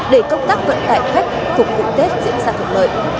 để công tác vận tải khách phục vụ tết diễn ra thuận lợi